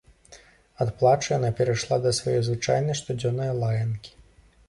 Ад плачу яна перайшла да сваёй звычайнай, штодзённай лаянкі.